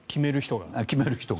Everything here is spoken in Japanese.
決める人が。